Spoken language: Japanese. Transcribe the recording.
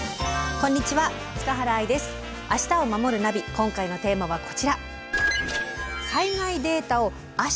今回のテーマはこちら。